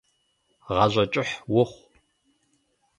Гъащӏэ кӏыхь ухъу.